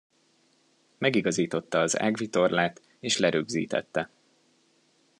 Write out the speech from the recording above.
Megigazította az ágvitorlát és lerögzítette.